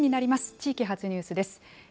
地域発ニュースです。